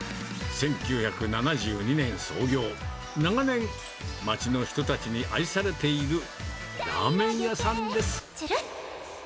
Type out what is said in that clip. １９７２年創業、長年、街の人たちに愛されているラーメン屋さんです。